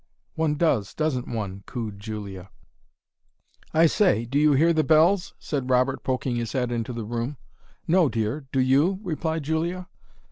"One does, doesn't one!" cooed Julia. "I say, do you hear the bells?" said Robert, poking his head into the room. "No, dear! Do you?" replied Julia.